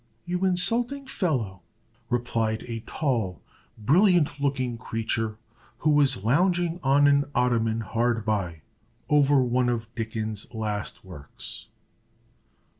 "You insulting fellow!" replied a tall, brilliant looking creature, who was lounging on an ottoman hard by, over one of Dickens's last works.